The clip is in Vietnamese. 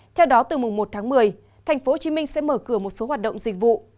theo đó từ mùng một tháng một mươi tp hcm sẽ mở cửa một số hoạt động dịch vụ